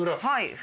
はい。